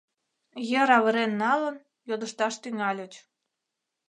Йыр авырен налын, йодышташ тӱҥальыч: